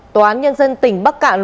tòa án nhân dân tỉnh bắc cạn